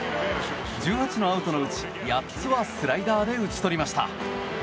１８のアウトのうち８つはスライダーで打ち取りました。